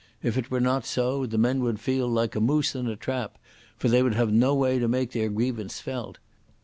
If it were not so, the men would feel like a moose in a trap, for they would have no way to make their grievance felt.